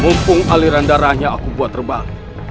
mumpung aliran darahnya aku buat terbang